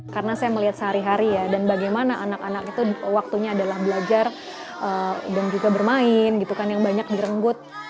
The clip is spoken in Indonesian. karena saya melihat sehari hari ya dan bagaimana anak anak itu waktunya adalah belajar dan juga bermain yang banyak direnggut